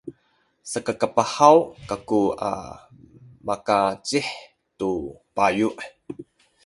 sakakapahaw kaku a makaazih tu bayu’.